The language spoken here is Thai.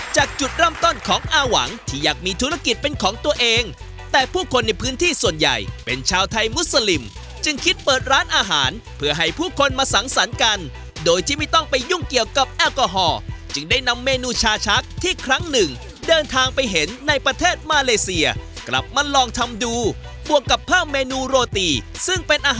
จากจุดเริ่มต้นของอาหวังที่อยากมีธุรกิจเป็นของตัวเองแต่ผู้คนในพื้นที่ส่วนใหญ่เป็นชาวไทยมุสลิมจึงคิดเปิดร้านอาหารเพื่อให้ผู้คนมาสังสรรค์กันโดยที่ไม่ต้องไปยุ่งเกี่ยวกับแอลกอฮอล์จึงได้นำเมนูชาชักที่ครั้งหนึ่งเดินทางไปเห็นในประเทศมาเลเซียกลับมาลองทำดูบวกกับเพิ่มเมนูโรตีซึ่งเป็นอาหาร